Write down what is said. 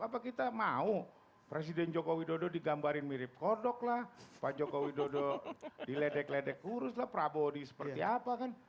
apa kita mau presiden joko widodo digambarin mirip kodok lah pak jokowi dodo diledek ledek kurus lah prabowo di seperti apa kan